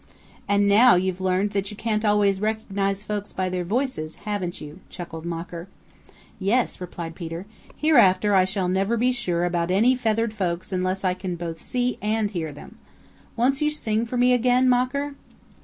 "And now you've learned that you can't always recognize folks by their voices, haven't you?" chuckled Mocker. "Yes," replied Peter. "Hereafter I shall never be sure about any feathered folks unless I can both see and hear them. Won't you sing for me again, Mocker?"